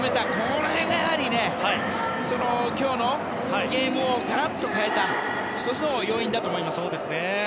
この辺がやはり今日のゲームをガラッと変えた１つの要因だと思います。